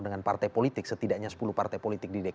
dengan partai politik setidaknya sepuluh partai politik